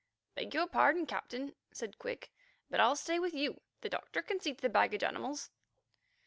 "Beg your pardon, Captain," said Quick, "but I'll stay with you. The doctor can see to the baggage animals."